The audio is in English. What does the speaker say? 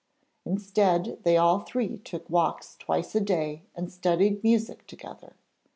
Instead, they all three took walks twice a day and studied music together.